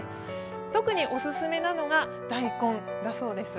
特にオススメなのが大根だそうです。